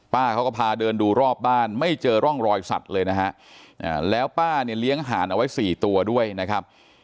ป้าเขาก็พาเดินดูรอบบ้านไม่เจอร่องรอยสัตว์เลยนะฮะแล้วป้าเนี่ยเลี้ยงห่านเอาไว้๔ตัวด้วยนะครับ